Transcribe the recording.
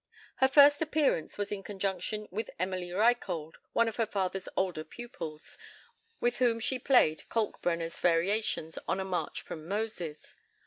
Her first appearance was in conjunction with Emilie Reichold, one of her father's older pupils, with whom she played Kalkbrenner's variations on a march from "Moses."